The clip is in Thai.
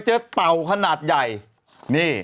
ดื่มน้ำก่อนสักนิดใช่ไหมคะคุณพี่